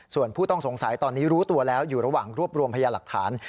ส่วนผู้ต้องสงสัยตอนนี้รู้ตัวแล้วอยู่ระหว่างรวบรวมพยาหลักฐาน